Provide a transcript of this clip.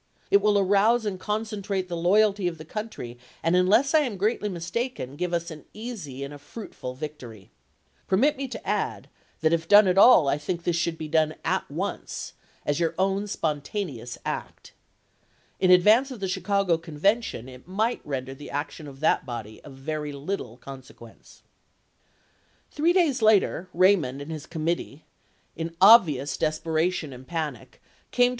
It will arouse and concentrate the loyalty of the country and unless I am greatly mistaken give us an easy and a fruitful victory. Permit me to add that if done at all I think this should be done at once, — as your own spontaneous act. In advance of the Chicago Convention it might render the to Lincoln, action of that body of very little consequence. i8e£g,Ms. Three days later, Raymond and his commit tee, in obvious depression and panic, came to 220 ABRAHAM LINCOLN chap.